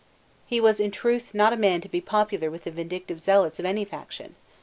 He was in truth not a man to be popular with the vindictive zealots of any faction.